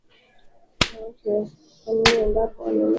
za watu hao zilichochea waumini wenzao pia kuwa waaminifu katika